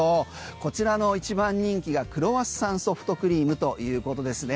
こちらの一番人気がクロワッサンソフトクリームということですね。